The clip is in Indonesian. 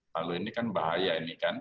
lalu ini kan bahaya ini kan